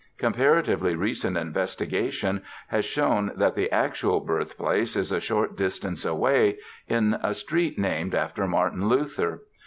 Comparatively recent investigation has shown that the actual birthplace is a short distance away, in a street named after Martin Luther.